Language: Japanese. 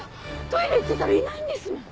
トイレ行ってたらいないんですもん。